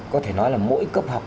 có thể nói là mỗi cấp học